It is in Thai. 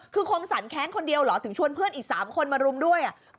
คือคงสั่นแค้นคนเดียวเหรอถึงชวนเพื่อนอีก๓คนมารุมด้วย